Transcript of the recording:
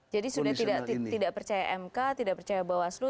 jadi sudah tidak percaya mk tidak percaya bawaslu